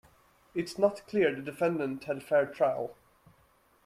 It's not clear the defendant had a fair trial.